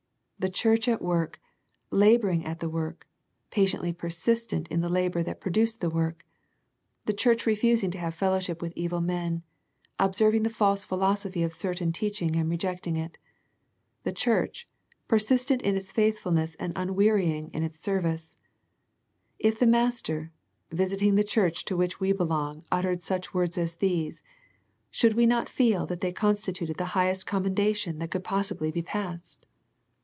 The church at work, labouring at the work, patiently persistent in the labour that produced the work. The church refusing to have fel lowship with evil men, observing the false philosophy of certain teaching and rejecting it. The church, persistent in its faithfulness and unwearying in its service. If the Master, visit ing the church to which we belong uttered such words as these, should we not feel that they constituted the highest commendation that could possibly be passed?